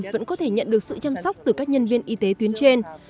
vẫn có thể nhận được sự chăm sóc từ các nhân viên y tế tuyến trên